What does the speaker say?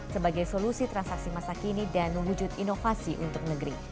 sebagai solusi transaksi masa kini dan mewujud inovasi untuk negeri